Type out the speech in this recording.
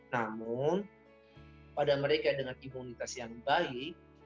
namun pada mereka dengan imunitas yang baik